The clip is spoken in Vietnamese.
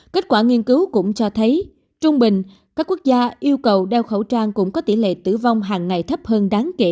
kết quả nghiên cứu cũng cho thấy trung bình các quốc gia yêu cầu đeo khẩu trang cũng có tỷ lệ tử vong hàng ngày thấp hơn đáng kể